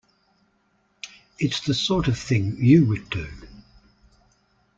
It's the sort of thing you would do.